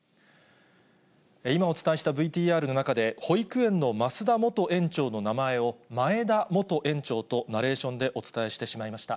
今お伝えしたＶＴＲの中で、保育園の増田元園長の名前を、まえだ元園長とナレーションでお伝えしてしまいました。